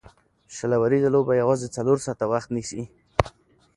شل اووريزه لوبه یوازي څلور ساعته وخت نیسي.